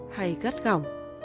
hay gắt gỏng